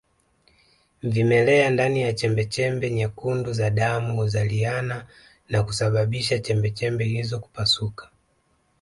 Vimelea ndani ya chembechembe nyekundu za damu huzaliana na kusababisha chembechembe hizo kupasuka